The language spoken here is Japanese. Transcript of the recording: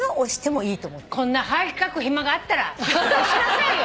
こんなはがき書く暇があったら押しなさいよ！